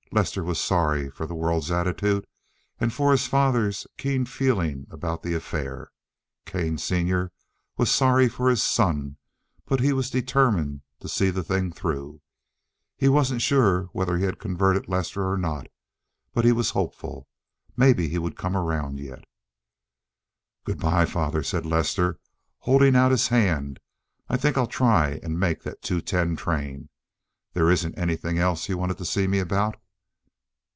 Lester was sorry for the world's attitude and for his father's keen feeling about the affair. Kane senior was sorry for his son, but he was determined to see the thing through. He wasn't sure whether he had converted Lester or not, but he was hopeful. Maybe he would come around yet. "Good by, father," said Lester, holding out his hand. "I think I'll try and make that two ten train. There isn't anything else you wanted to see me about?"